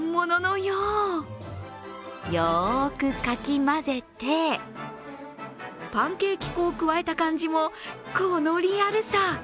よくかき混ぜてパンケーキ粉を加えた感じもこのリアルさ。